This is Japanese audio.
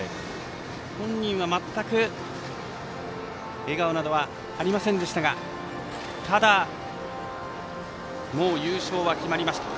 本人は笑顔などはありませんでしたがただ優勝は決まりました。